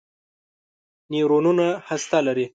نیورونونه هسته لري.